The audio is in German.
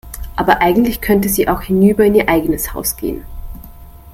Aber eigentlich könnte sie auch hinüber in ihr eigenes Haus gehen.